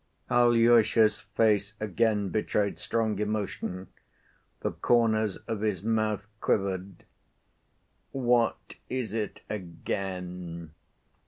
Alyosha's face again betrayed strong emotion. The corners of his mouth quivered. "What is it again?"